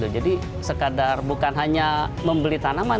jadi sekadar bukan hanya membeli tanaman